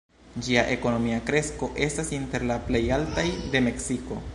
Ĝia ekonomia kresko estas inter la plej altaj de Meksiko.